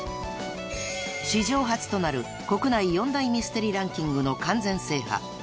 ［史上初となる国内４大ミステリーランキングの完全制覇］